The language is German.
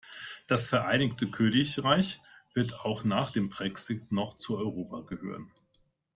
Das Vereinigte Königreich wird auch nach dem Brexit noch zu Europa gehören.